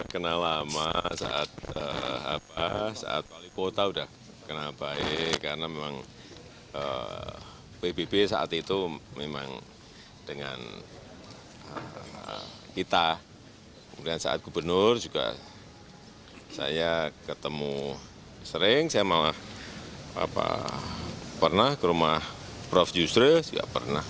kita pemilihan saat gubernur juga saya ketemu sering saya malah pernah ke rumah prof yusril juga pernah